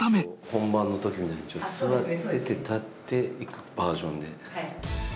本番の時みたいにちょっと座ってて立っていくバージョンで。